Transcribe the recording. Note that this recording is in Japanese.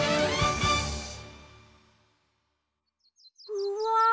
うわ